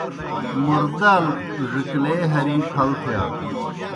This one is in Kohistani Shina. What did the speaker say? موردال ڙِکلے ہری پھل تِھیا۔